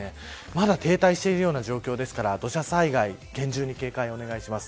まだ停滞しているような状況ですから土砂災害に厳重に警戒をお願いします。